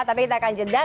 tapi kita akan jeda